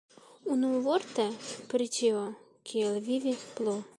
Unuvorte, pri tio, kiel vivi plu.